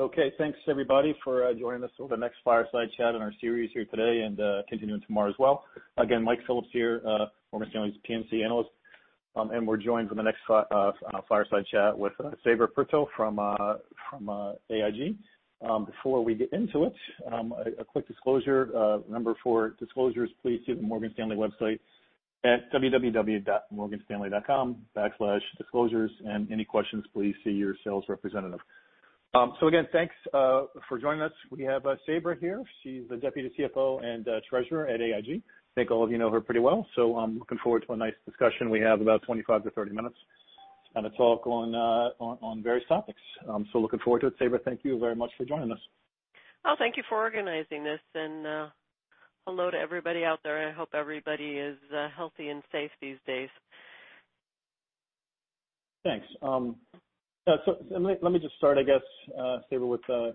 Okay. Thanks everybody for joining us for the next Fireside Chat in our series here today, continuing tomorrow as well. Again, Mike Phillips here, Morgan Stanley's P&C Analyst. We're joined for the next Fireside Chat with Sabra Purtill from AIG. Before we get into it, a quick disclosure. Remember, for disclosures, please see the Morgan Stanley website at www.morganstanley.com/disclosures. Any questions, please see your sales representative. Again, thanks for joining us. We have Sabra here. She's the Deputy CFO and Treasurer at AIG. I think all of you know her pretty well, looking forward to a nice discussion. We have about 25 to 30 minutes to talk on various topics. Looking forward to it. Sabra, thank you very much for joining us. Oh, thank you for organizing this. Hello to everybody out there. I hope everybody is healthy and safe these days. Thanks. Let me just start, I guess, Sabra, with the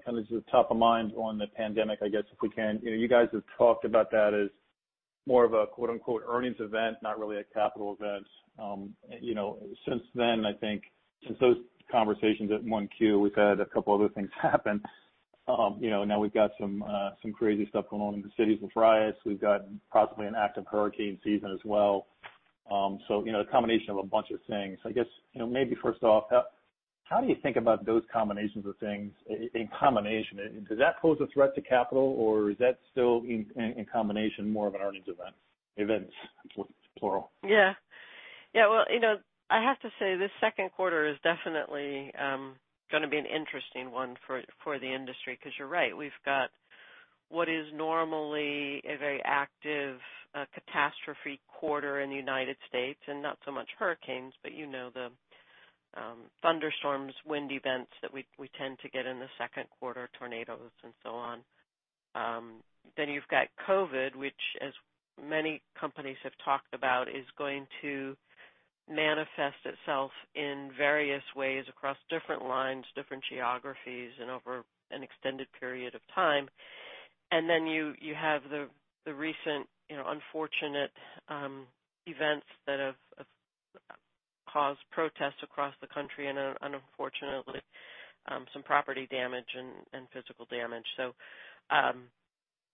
top of mind on the pandemic, I guess if we can. You guys have talked about that as more of a "earnings event," not really a capital event. Since those conversations at 1Q, we've had a couple other things happen. Now we've got some crazy stuff going on in the cities with riots. We've got possibly an active hurricane season as well. A combination of a bunch of things. I guess maybe first off, how do you think about those combinations of things in combination? Does that pose a threat to capital, or is that still in combination more of an earnings event? Events, plural. Yeah. Well, I have to say, this second quarter is definitely going to be an interesting one for the industry, because you're right. We've got what is normally a very active catastrophe quarter in the United States, not so much hurricanes, but the thunderstorms, wind events that we tend to get in the second quarter, tornadoes and so on. You've got COVID, which as many companies have talked about, is going to manifest itself in various ways across different lines, different geographies, and over an extended period of time. You have the recent unfortunate events that have caused protests across the country and unfortunately, some property damage and physical damage.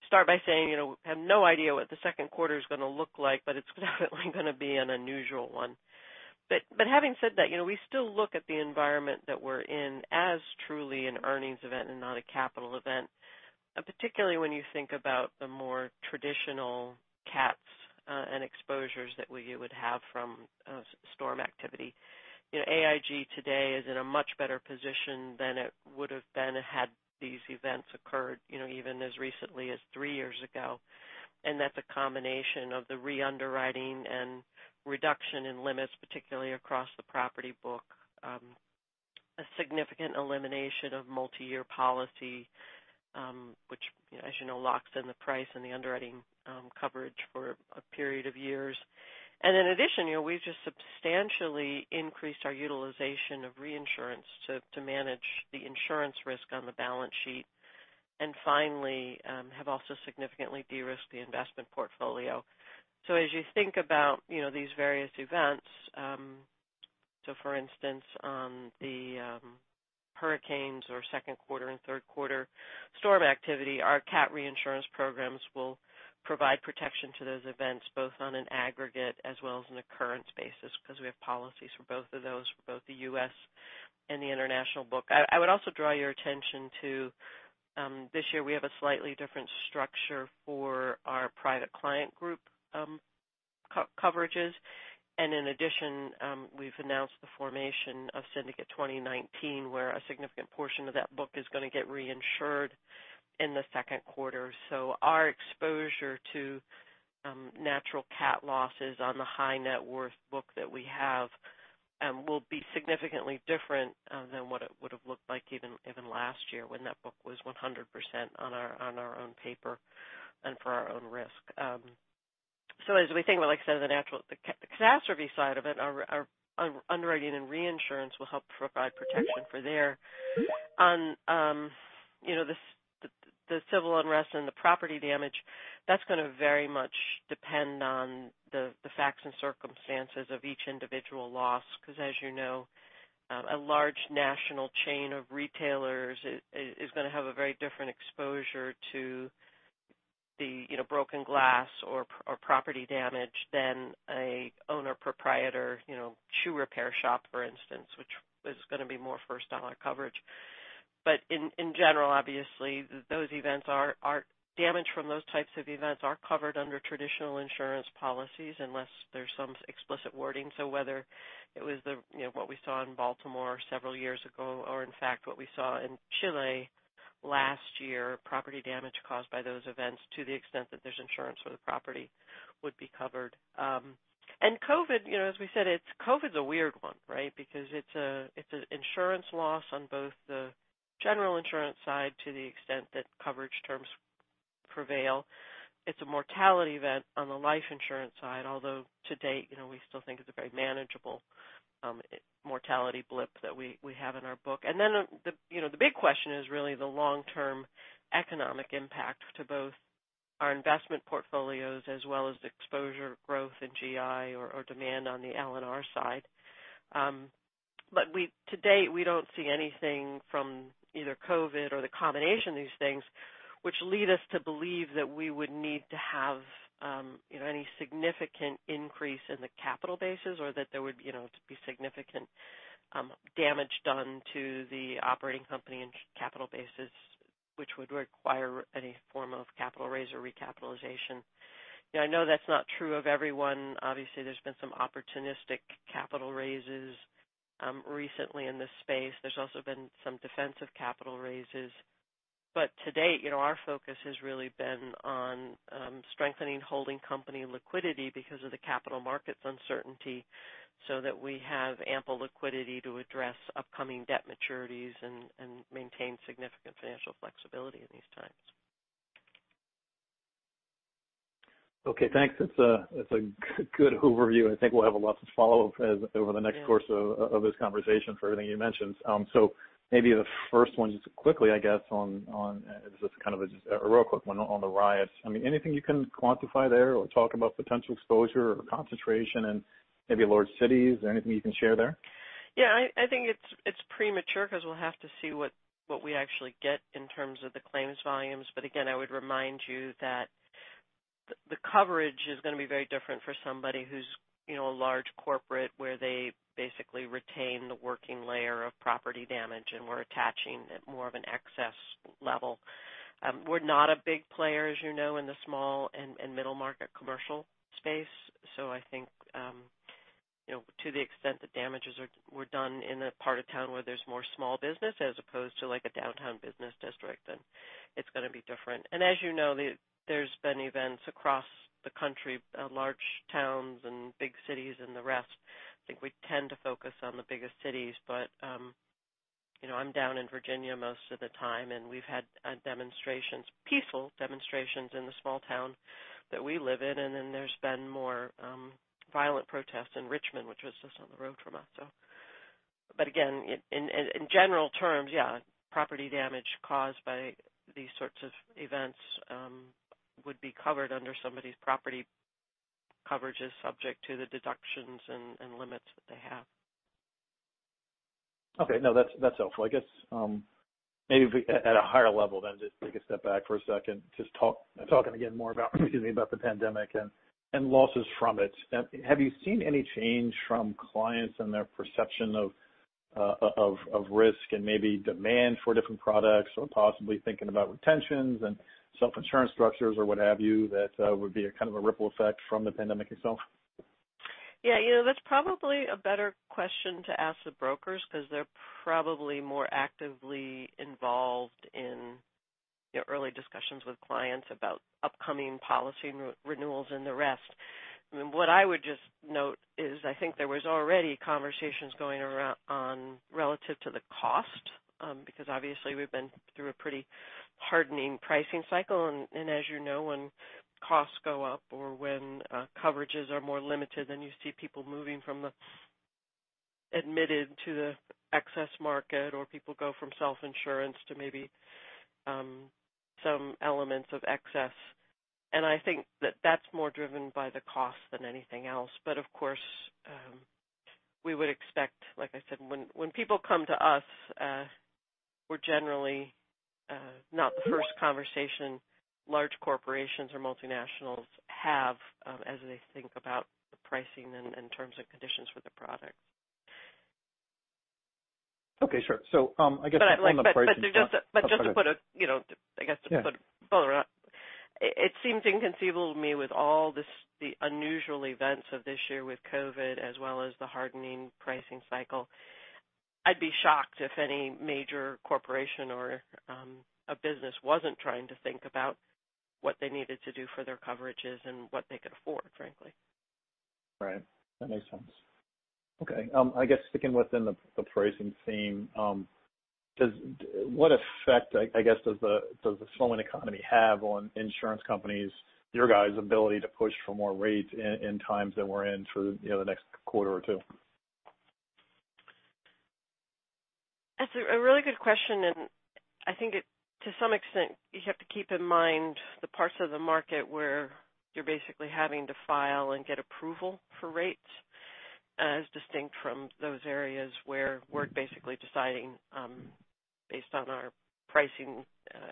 Start by saying, I have no idea what the second quarter's going to look like, but it's definitely going to be an unusual one. Having said that, we still look at the environment that we're in as truly an earnings event and not a capital event, particularly when you think about the more traditional cats and exposures that we would have from storm activity. AIG today is in a much better position than it would have been had these events occurred even as recently as three years ago. That's a combination of the re-underwriting and reduction in limits, particularly across the property book. A significant elimination of multi-year policy, which, as you know, locks in the price and the underwriting coverage for a period of years. In addition, we've just substantially increased our utilization of reinsurance to manage the insurance risk on the balance sheet. Finally, have also significantly de-risked the investment portfolio. As you think about these various events, for instance, the hurricanes or second quarter and third quarter storm activity, our cat reinsurance programs will provide protection to those events, both on an aggregate as well as an occurrence basis, because we have policies for both of those for both the U.S. and the international book. I would also draw your attention to this year, we have a slightly different structure for our Private Client Group coverages. In addition, we've announced the formation of Syndicate 2019, where a significant portion of that book is going to get reinsured in the second quarter. Our exposure to natural cat losses on the high net worth book that we have will be significantly different than what it would have looked like even last year when that book was 100% on our own paper and for our own risk. As we think about, like I said, the natural catastrophe side of it, our underwriting and reinsurance will help provide protection for there. On the civil unrest and the property damage, that's going to very much depend on the facts and circumstances of each individual loss, because as you know, a large national chain of retailers is going to have a very different exposure to the broken glass or property damage than an owner proprietor shoe repair shop, for instance, which is going to be more first dollar coverage. In general, obviously, damage from those types of events are covered under traditional insurance policies unless there's some explicit wording. Whether it was what we saw in Baltimore several years ago or in fact what we saw in Chile last year, property damage caused by those events to the extent that there's insurance for the property would be covered. COVID, as we said, COVID's a weird one, right? Because it's an insurance loss on both the general insurance side to the extent that coverage terms prevail. It's a mortality event on the life insurance side, although to date, we still think it's a very manageable mortality blip that we have in our book. The big question is really the long-term economic impact to both our investment portfolios as well as the exposure growth in GI or demand on the L&R side. To date, we don't see anything from either COVID or the combination of these things which lead us to believe that we would need to have any significant increase in the capital bases or that there would be significant damage done to the operating company and capital bases, which would require any form of capital raise or recapitalization. I know that's not true of everyone. Obviously, there's been some opportunistic capital raises recently in this space. There's also been some defensive capital raises. To date, our focus has really been on strengthening holding company liquidity because of the capital markets uncertainty, so that we have ample liquidity to address upcoming debt maturities and maintain significant financial flexibility in these times. Okay, thanks. That's a good overview. I think we'll have lots of follow-ups over the next course of this conversation for everything you mentioned. Maybe the first one, just quickly, I guess, just kind of a real quick one on the riots. Anything you can quantify there or talk about potential exposure or concentration in maybe large cities? Anything you can share there? Yeah, I think it's premature because we'll have to see what we actually get in terms of the claims volumes. Again, I would remind you that the coverage is going to be very different for somebody who's a large corporate, where they basically retain the working layer of property damage, and we're attaching more of an excess level. We're not a big player, as you know, in the small and middle market commercial space. I think to the extent the damages were done in a part of town where there's more small business as opposed to a downtown business district, then it's going to be different. As you know, there's been events across the country, large towns and big cities and the rest. I think we tend to focus on the biggest cities, but I'm down in Virginia most of the time, and we've had demonstrations, peaceful demonstrations, in the small town that we live in. Then there's been more violent protests in Richmond, which was just down the road from us. Again, in general terms, yeah, property damage caused by these sorts of events would be covered under somebody's property coverages subject to the deductions and limits that they have. Okay. No, that's helpful. I guess, maybe at a higher level, just take a step back for a second. Just talking again more about, excuse me, the pandemic and losses from it. Have you seen any change from clients and their perception of risk and maybe demand for different products or possibly thinking about retentions and self-insurance structures or what have you that would be a kind of a ripple effect from the pandemic itself? Yeah. That's probably a better question to ask the brokers because they're probably more actively involved in early discussions with clients about upcoming policy renewals and the rest. What I would just note is I think there was already conversations going around on relative to the cost, because obviously we've been through a pretty hardening pricing cycle, and as you know, when costs go up or when coverages are more limited, then you see people moving from the admitted to the excess market, or people go from self-insurance to maybe some elements of excess. I think that that's more driven by the cost than anything else. Of course, we would expect, like I said, when people come to us, we're generally not the first conversation large corporations or multinationals have as they think about the pricing and terms and conditions for the products. Okay, sure. I guess- Just to put a- Yeah to put a bow on it seems inconceivable to me with all the unusual events of this year with COVID as well as the hardening pricing cycle, I'd be shocked if any major corporation or a business wasn't trying to think about what they needed to do for their coverages and what they could afford, frankly. Right. That makes sense. Okay. I guess sticking within the pricing theme, what effect, I guess, does the slowing economy have on insurance companies, your guys' ability to push for more rates in times that we're in for the next quarter or two? That's a really good question. I think to some extent, you have to keep in mind the parts of the market where you're basically having to file and get approval for rates as distinct from those areas where we're basically deciding based on our pricing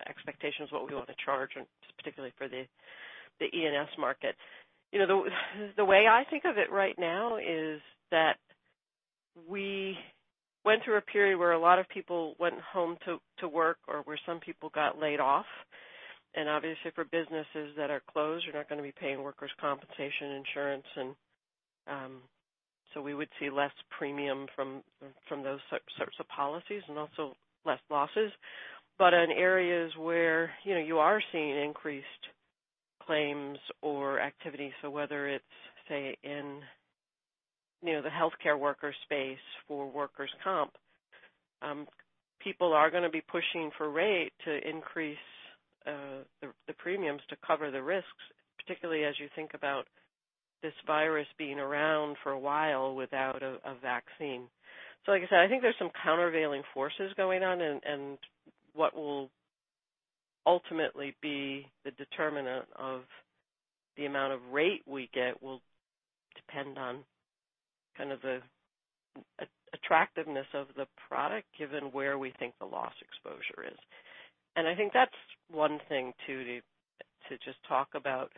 expectations, what we want to charge, and particularly for the E&S market. The way I think of it right now is that we went through a period where a lot of people went home to work or where some people got laid off, and obviously for businesses that are closed, you're not going to be paying workers' compensation insurance. We would see less premium from those sorts of policies and also less losses. In areas where you are seeing increased claims or activity, so whether it's, say, in the healthcare worker space for workers' comp, people are going to be pushing for rate to increase the premiums to cover the risks, particularly as you think about this virus being around for a while without a vaccine. Like I said, I think there's some countervailing forces going on, and what will ultimately be the determinant of the amount of rate we get will depend on kind of the attractiveness of the product, given where we think the loss exposure is. I think that's one thing too, to just talk about,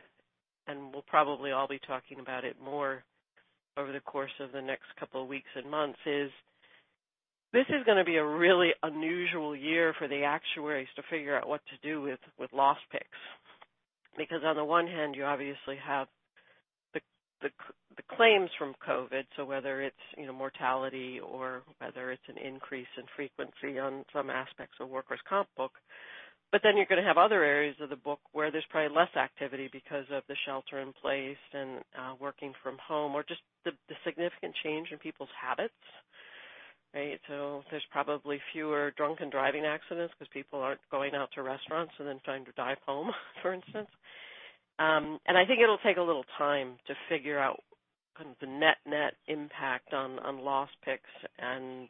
and we'll probably all be talking about it more over the course of the next couple of weeks and months, is this is going to be a really unusual year for the actuaries to figure out what to do with loss picks. On the one hand, you obviously have the claims from COVID, whether it's mortality or whether it's an increase in frequency on some aspects of workers' comp book, you're going to have other areas of the book where there's probably less activity because of the shelter in place and working from home or just the significant change in people's habits, right? There's probably fewer drunken driving accidents because people aren't going out to restaurants and then trying to drive home, for instance. I think it'll take a little time to figure out kind of the net impact on loss picks and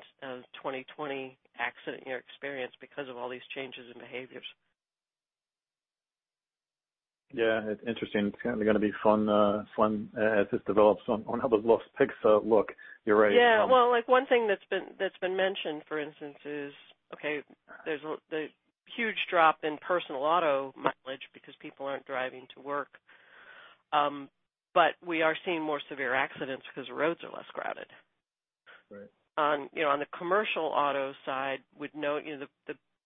2020 accident year experience because of all these changes in behaviors. Yeah, it's interesting. It's going to be fun as this develops on how those loss picks look. You're right. Yeah. Well, one thing that's been mentioned, for instance, is okay, there's the huge drop in personal auto mileage because people aren't driving to work. We are seeing more severe accidents because roads are less crowded. Right. On the commercial auto side, we'd note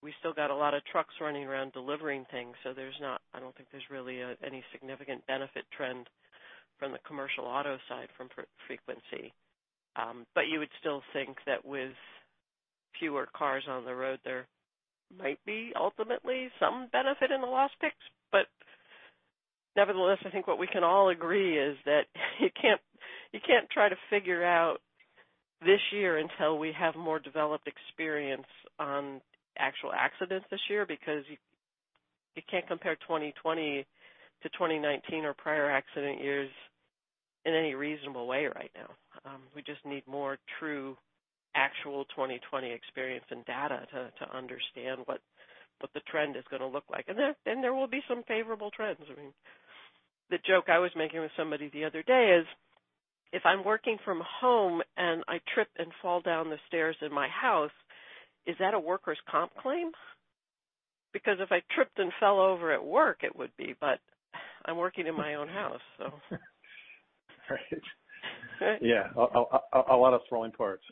we still got a lot of trucks running around delivering things. I don't think there's really any significant benefit trend from the commercial auto side from frequency. You would still think that with fewer cars on the road, there might be ultimately some benefit in the loss picks. Nevertheless, I think what we can all agree is that you can't try to figure out this year until we have more developed experience on actual accidents this year, because you can't compare 2020 to 2019 or prior accident years in any reasonable way right now. We just need more true actual 2020 experience and data to understand what the trend is going to look like. There will be some favorable trends. I mean, the joke I was making with somebody the other day is if I'm working from home and I trip and fall down the stairs in my house, is that a workers' comp claim? If I tripped and fell over at work, it would be, but I'm working in my own house. Right. Right? Yeah. A lot of sprawling parts.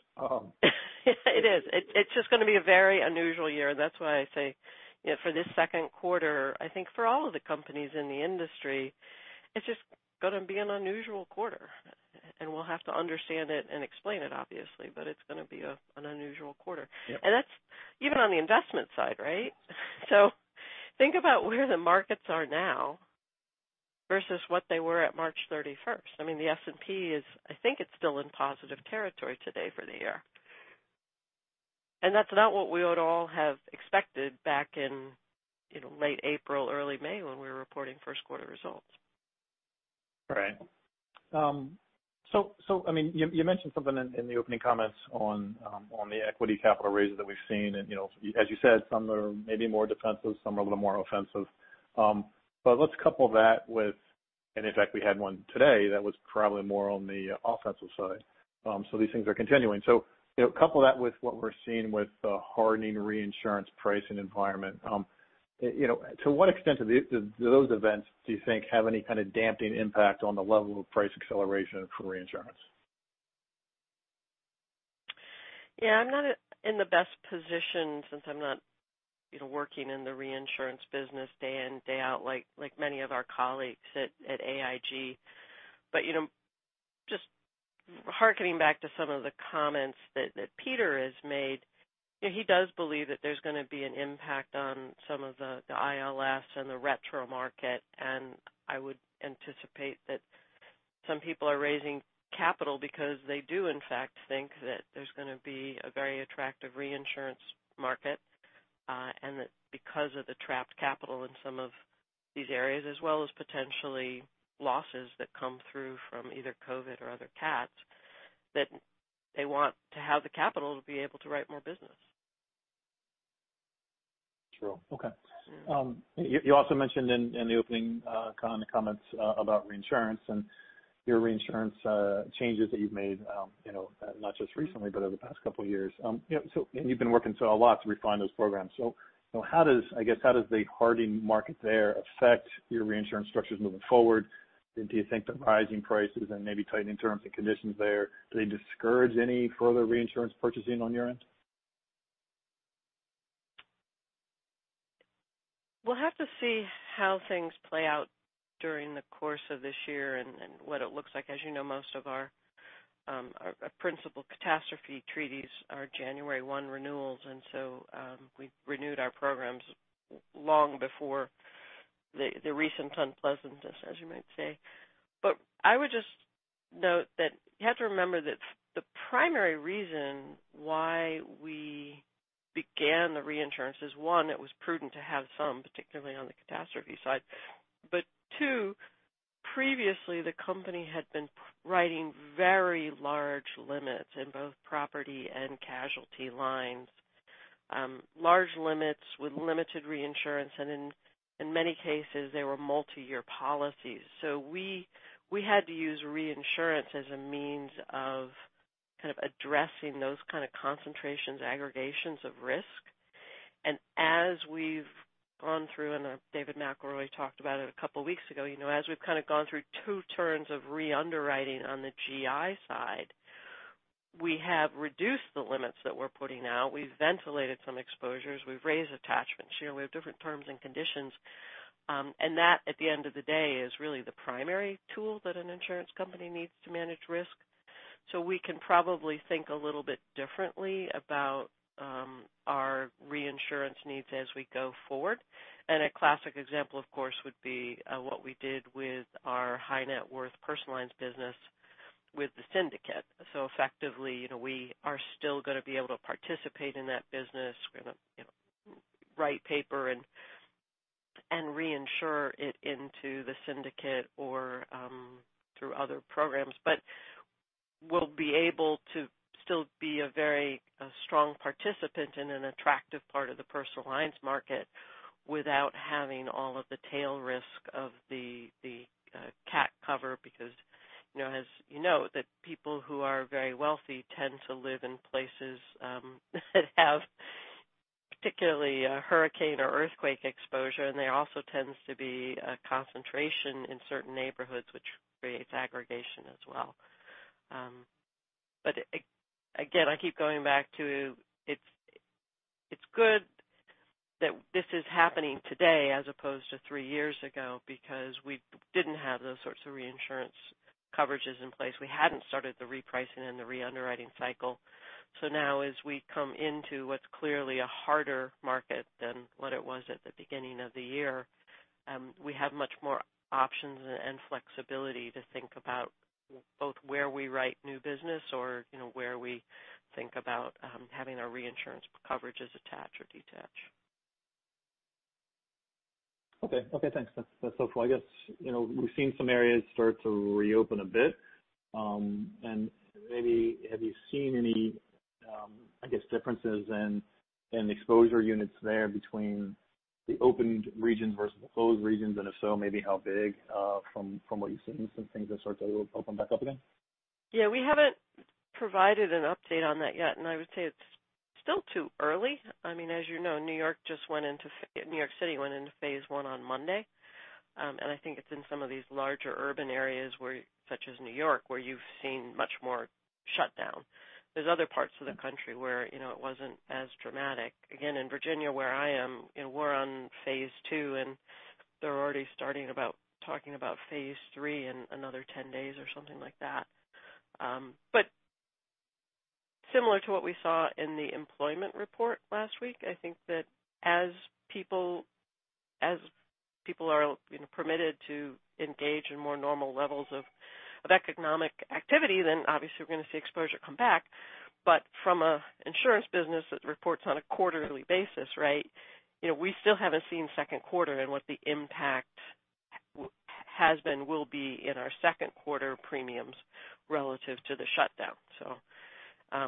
It is. It's just going to be a very unusual year. That's why I say for this second quarter, I think for all of the companies in the industry, it's just going to be an unusual quarter, and we'll have to understand it and explain it, obviously, but it's going to be an unusual quarter. Yep. That's even on the investment side, right? Think about where the markets are now versus what they were at March 31st. I mean, the S&P, I think it's still in positive territory today for the year. That's not what we would all have expected back in late April, early May, when we were reporting first-quarter results. Right. You mentioned something in the opening comments on the equity capital raises that we've seen, and as you said, some are maybe more defensive, some are a little more offensive. Let's couple that with, and in fact, we had one today that was probably more on the offensive side. These things are continuing. Couple that with what we're seeing with the hardening reinsurance pricing environment. To what extent do those events, do you think, have any kind of damping impact on the level of price acceleration for reinsurance? Yeah, I'm not in the best position since I'm not working in the reinsurance business day in, day out, like many of our colleagues at AIG. Just hearkening back to some of the comments that Peter has made, he does believe that there's going to be an impact on some of the ILS and the retro market, and I would anticipate that some people are raising capital because they do in fact think that there's going to be a very attractive reinsurance market, and that because of the trapped capital in some of these areas, as well as potentially losses that come through from either COVID or other cats, that they want to have the capital to be able to write more business. Sure. Okay. You also mentioned in the opening comments about reinsurance and your reinsurance changes that you've made, not just recently, but over the past couple of years. You've been working a lot to refine those programs. How does the hardening market there affect your reinsurance structures moving forward? Do you think the rising prices and maybe tightening terms and conditions there, do they discourage any further reinsurance purchasing on your end? We'll have to see how things play out during the course of this year and what it looks like. As you know, most of our principal catastrophe treaties are January 1 renewals. We renewed our programs long before the recent unpleasantness, as you might say. I would just note that you have to remember that the primary reason why we began the reinsurance is, one, it was prudent to have some, particularly on the catastrophe side. Two, previously the company had been writing very large limits in both property and casualty lines. Large limits with limited reinsurance, and in many cases, they were multi-year policies. We had to use reinsurance as a means of addressing those kind of concentrations, aggregations of risk. As we've gone through, and David McElroy talked about it a couple of weeks ago, as we've kind of gone through two turns of re-underwriting on the GI side, we have reduced the limits that we're putting out. We've ventilated some exposures, we've raised attachments. We have different terms and conditions, and that, at the end of the day, is really the primary tool that an insurance company needs to manage risk. We can probably think a little bit differently about our reinsurance needs as we go forward. A classic example, of course, would be what we did with our high net worth personal lines business with the syndicate. Effectively, we are still going to be able to participate in that business. We're going to write paper and reinsure it into the syndicate or through other programs. We'll be able to still be a very strong participant in an attractive part of the personal lines market without having all of the tail risk of the cat cover. As you know, that people who are very wealthy tend to live in places that have particularly a hurricane or earthquake exposure. There also tends to be a concentration in certain neighborhoods, which creates aggregation as well. Again, I keep going back to it's good that this is happening today as opposed to three years ago, because we didn't have those sorts of reinsurance coverages in place. We hadn't started the repricing and the re-underwriting cycle. Now as we come into what's clearly a harder market than what it was at the beginning of the year, we have much more options and flexibility to think about both where we write new business or where we think about having our reinsurance coverages attached or detached. Okay. Thanks. That's helpful. I guess, we've seen some areas start to reopen a bit. Maybe, have you seen any differences in exposure units there between the opened regions versus the closed regions? If so, maybe how big, from what you've seen since things have started to open back up again? Yeah, we haven't provided an update on that yet, and I would say it's still too early. As you know, New York City just went into phase 1 on Monday. I think it's in some of these larger urban areas, such as New York, where you've seen much more shutdown. There's other parts of the country where it wasn't as dramatic. Again, in Virginia, where I am, we're on phase 2, and they're already starting talking about phase 3 in another 10 days or something like that. Similar to what we saw in the employment report last week, I think that as people are permitted to engage in more normal levels of economic activity, then obviously we're going to see exposure come back. From an insurance business that reports on a quarterly basis, we still haven't seen second quarter and what the impact has been, will be in our second quarter premiums relative to the shutdown.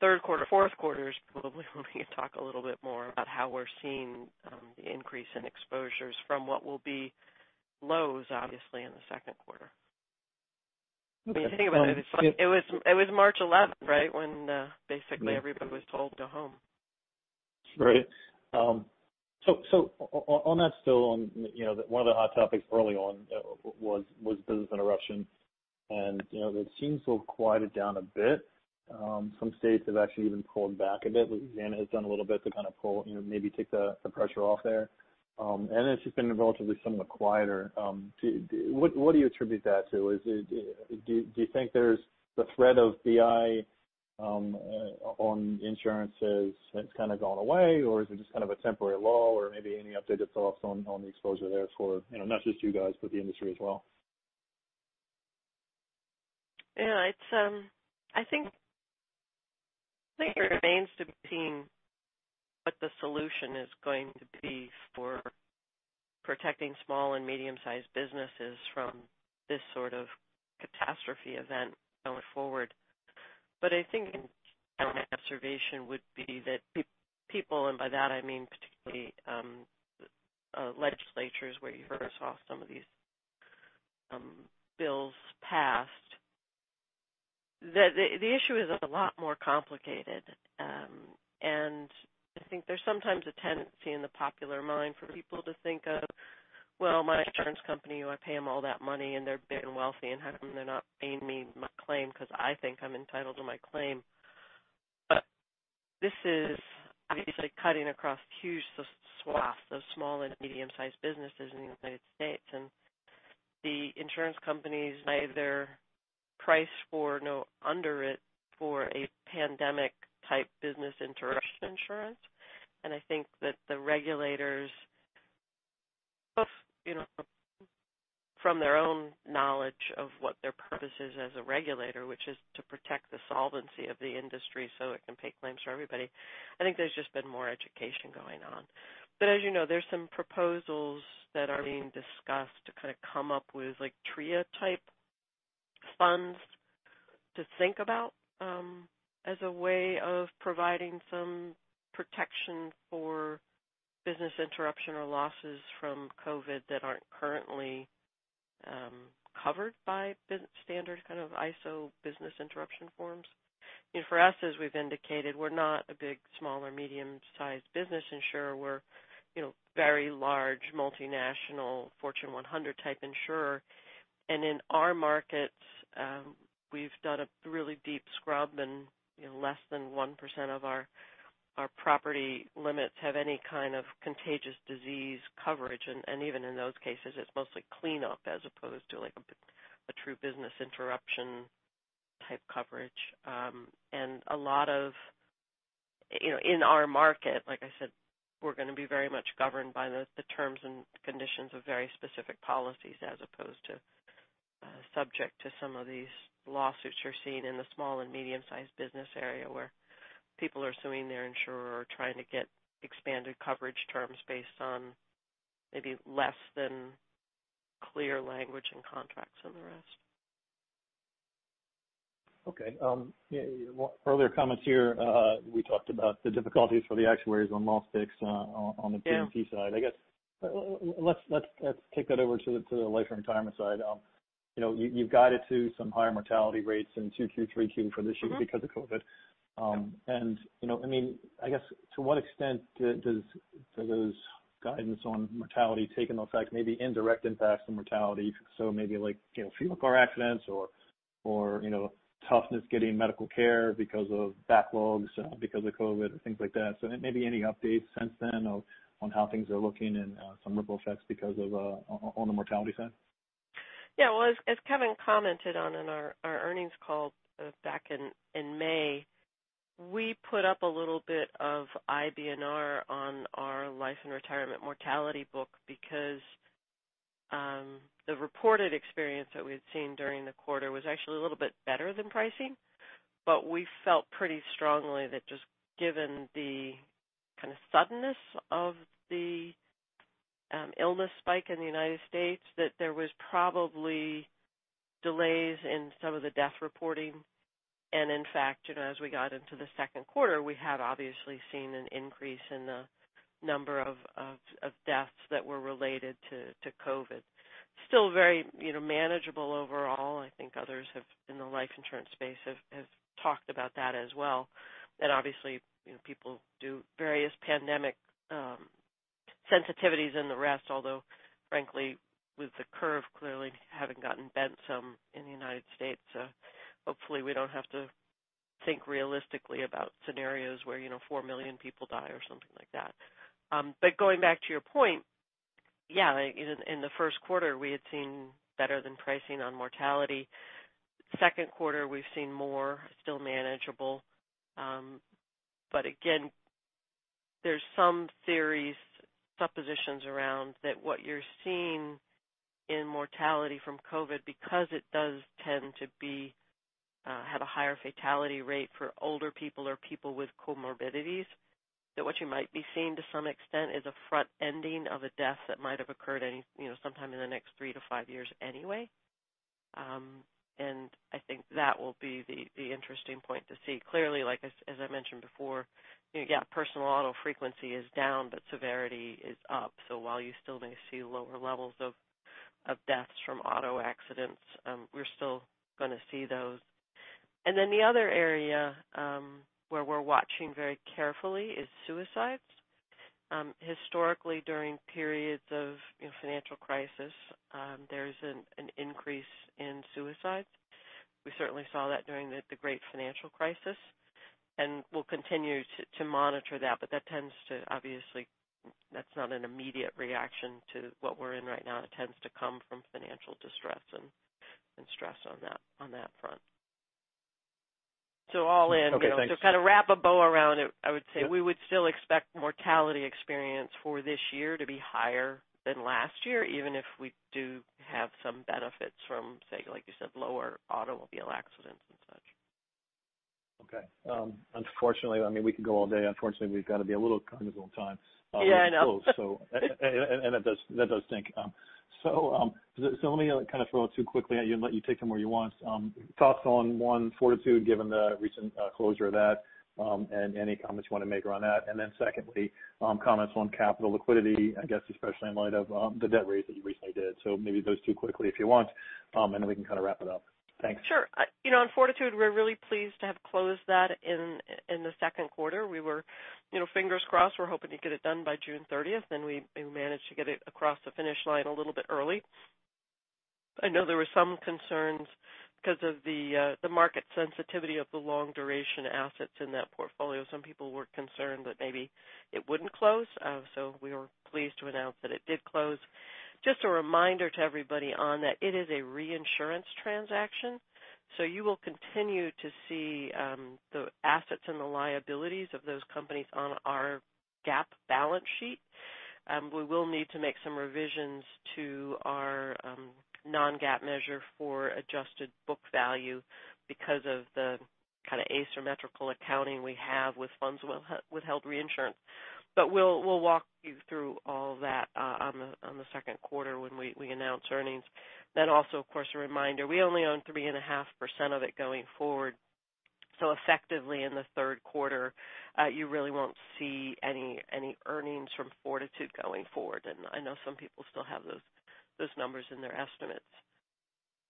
Third quarter, fourth quarter is probably when we can talk a little bit more about how we're seeing the increase in exposures from what will be lows, obviously, in the second quarter. Okay. If you think about it was March 11th, right? When basically everybody was told to go home. Right. On that still, one of the hot topics early on was business interruption, and it seems to have quieted down a bit. Some states have actually even pulled back a bit. Louisiana has done a little bit to kind of maybe take the pressure off there. It's just been relatively somewhat quieter. What do you attribute that to? Do you think the threat of BI on insurance has kind of gone away, or is it just kind of a temporary lull, or maybe any updated thoughts on the exposure there for not just you guys, but the industry as well? Yeah. I think it remains to be seen what the solution is going to be for protecting small and medium-sized businesses from this sort of catastrophe event going forward. I think an observation would be that people, and by that I mean particularly legislatures where you first saw some of these bills passed, that the issue is a lot more complicated. I think there's sometimes a tendency in the popular mind for people to think of, "Well, my insurance company, I pay them all that money, and they're big and wealthy, and how come they're not paying me my claim because I think I'm entitled to my claim?" This is basically cutting across huge swaths of small and medium-sized businesses in the U.S., and the insurance companies neither price for nor underwrite for a pandemic-type business interruption insurance. I think that the regulators, both from their own knowledge of what their purpose is as a regulator, which is to protect the solvency of the industry so it can pay claims for everybody. I think there's just been more education going on. But as you know, there's some proposals that are being discussed to come up with TRIA-type funds to think about as a way of providing some protection for business interruption or losses from COVID that aren't currently covered by standard ISO business interruption forms. For us, as we've indicated, we're not a big small or medium-sized business insurer. We're very large, multinational Fortune 100-type insurer. In our markets, we've done a really deep scrub and less than 1% of our property limits have any kind of contagious disease coverage. Even in those cases, it's mostly cleanup as opposed to a true business interruption-type coverage. In our market, like I said, we're going to be very much governed by the terms and conditions of very specific policies as opposed to subject to some of these lawsuits you're seeing in the small and medium-sized business area where people are suing their insurer or trying to get expanded coverage terms based on maybe less than clear language in contracts and the rest. Okay. Earlier comments here, we talked about the difficulties for the actuaries on loss picks on the P&C side. Yeah. I guess let's take that over to the Life & Retirement side. You've guided to some higher mortality rates in Q2, Q3, Q4 this year because of COVID. I guess to what extent does those guidance on mortality take into effect maybe indirect impacts on mortality, so maybe fewer car accidents or toughness getting medical care because of backlogs because of COVID and things like that. Maybe any updates since then on how things are looking and some ripple effects on the mortality side? Yeah. Well, as Kevin commented on in our earnings call back in May, we put up a little bit of IBNR on our Life & Retirement mortality book because the reported experience that we had seen during the quarter was actually a little bit better than pricing. We felt pretty strongly that just given the kind of suddenness of the illness spike in the United States, that there was probably delays in some of the death reporting. In fact, as we got into the second quarter, we have obviously seen an increase in the number of deaths that were related to COVID. Still very manageable overall. I think others in the life insurance space have talked about that as well. Obviously, people do various pandemic sensitivities and the rest, although frankly, with the curve clearly having gotten bent some in the United States, hopefully we don't have to think realistically about scenarios where 4 million people die or something like that. Going back to your point, yeah, in the first quarter, we had seen better than pricing on mortality. Second quarter, we've seen more, still manageable. Again, there's some theories, suppositions around that what you're seeing in mortality from COVID, because it does tend to have a higher fatality rate for older people or people with comorbidities, that what you might be seeing to some extent is a front-ending of a death that might have occurred sometime in the next three to five years anyway. I think that will be the interesting point to see. Clearly, as I mentioned before, personal auto frequency is down, but severity is up. While you still may see lower levels of deaths from auto accidents, we're still going to see those. Then the other area where we're watching very carefully is suicides. Historically, during periods of financial crisis, there's an increase in suicides. We certainly saw that during the great financial crisis, and we'll continue to monitor that, but obviously that's not an immediate reaction to what we're in right now. It tends to come from financial distress and stress on that front. Okay, thanks To kind of wrap a bow around it, I would say we would still expect mortality experience for this year to be higher than last year, even if we do have some benefits from, say, like you said, lower automobile accidents and such. Okay. We could go all day. Unfortunately, we've got to be a little cognizant of time- Yeah, I know. Close, and that does stink. Let me kind of throw two quickly at you and let you take them where you want. Thoughts on, one, Fortitude, given the recent closure of that, and any comments you want to make around that. Secondly, comments on capital liquidity, I guess especially in light of the debt raise that you recently did. Maybe those two quickly if you want, and then we can kind of wrap it up. Thanks. Sure. On Fortitude, we're really pleased to have closed that in the second quarter. Fingers crossed, we were hoping to get it done by June 30th, and we managed to get it across the finish line a little bit early. I know there were some concerns because of the market sensitivity of the long-duration assets in that portfolio. Some people were concerned that maybe it wouldn't close. We were pleased to announce that it did close. Just a reminder to everybody on that, it is a reinsurance transaction. You will continue to see the assets and the liabilities of those companies on our GAAP balance sheet. We will need to make some revisions to our non-GAAP measure for adjusted book value because of the kind of asymmetrical accounting we have with funds withheld reinsurance. We'll walk you through all that on the second quarter when we announce earnings. Of course, a reminder, we only own 3.5% of it going forward. Effectively, in the third quarter, you really won't see any earnings from Fortitude going forward, and I know some people still have those numbers in their estimates.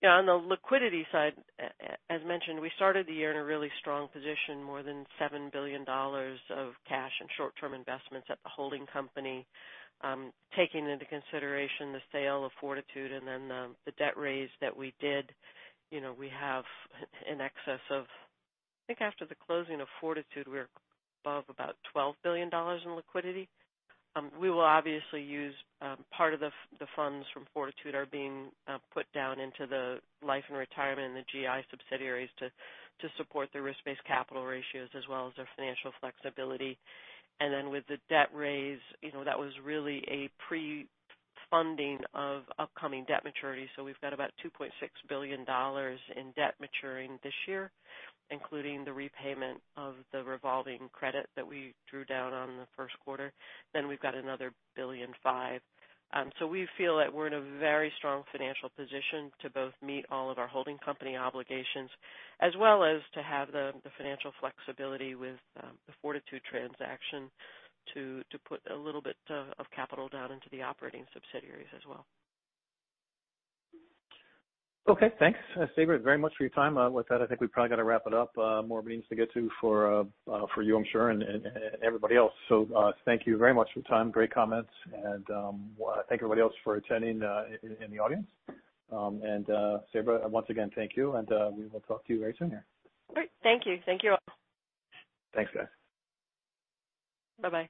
On the liquidity side, as mentioned, we started the year in a really strong position, more than $7 billion of cash and short-term investments at the holding company. Taking into consideration the sale of Fortitude and then the debt raise that we did, we have in excess of, I think after the closing of Fortitude, we're above about $12 billion in liquidity. We will obviously use part of the funds from Fortitude are being put down into the AIG Life & Retirement and the GI subsidiaries to support the risk-based capital ratios as well as their financial flexibility. With the debt raise, that was really a pre-funding of upcoming debt maturity. We've got about $2.6 billion in debt maturing this year, including the repayment of the revolving credit that we drew down on in the first quarter. We've got another $1.5 billion. We feel that we're in a very strong financial position to both meet all of our holding company obligations, as well as to have the financial flexibility with the Fortitude transaction to put a little bit of capital down into the operating subsidiaries as well. Thanks, Sabra, very much for your time. With that, I think we probably got to wrap it up. More meetings to get to for you, I'm sure, and everybody else. Thank you very much for your time. Great comments and thank everybody else for attending in the audience. Sabra, once again, thank you, and we will talk to you very soon here. Great. Thank you. Thank you all. Thanks, guys. Bye-bye.